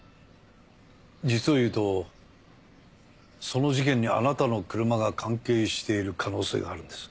実をいうとその事件にあなたの車が関係している可能性があるんです。